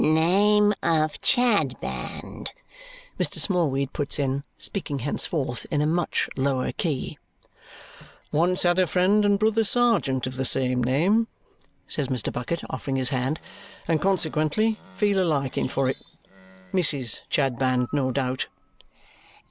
"Name of Chadband," Mr. Smallweed puts in, speaking henceforth in a much lower key. "Once had a friend and brother serjeant of the same name," says Mr. Bucket, offering his hand, "and consequently feel a liking for it. Mrs. Chadband, no doubt?"